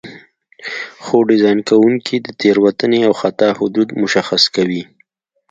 خو ډیزاین کوونکي د تېروتنې او خطا حدود مشخص کوي.